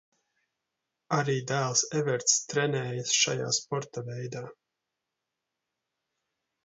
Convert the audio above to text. Arī dēls Everts trenējas šajā sporta veidā.